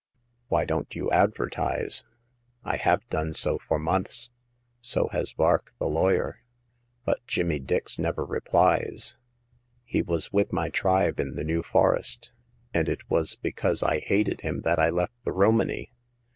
Why don't you advertise ?"" I have done so for months ; so has VarK, the lawyer ; but Jimmy Dix never replies. He was with my tribe in the New Forest, and it was be cause I hated him that I left the Romany.